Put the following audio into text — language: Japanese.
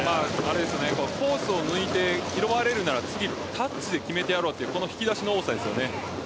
コースを抜いて拾われるなら次、タッチで決めてやろうという引き出しの多さですよね。